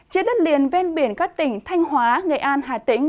trên đất liền ven biển các tỉnh thanh hóa nghệ an hà tĩnh